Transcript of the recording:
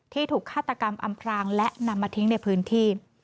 ถูกฆาตกรรมอำพรางและนำมาทิ้งในพื้นที่